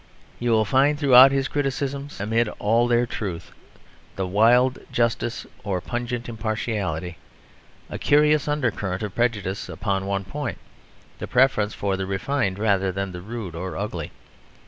You will find throughout his criticisms, amid all their truth, their wild justice or pungent impartiality, a curious undercurrent of prejudice upon one point: the preference for the refined rather than the rude or ugly.